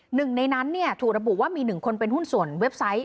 หนึ่งในนั้นถูกระบุว่ามีหนึ่งคนเป็นหุ้นส่วนเว็บไซต์